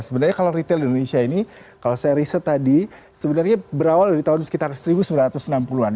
sebenarnya kalau retail di indonesia ini kalau saya riset tadi sebenarnya berawal dari tahun sekitar seribu sembilan ratus enam puluh an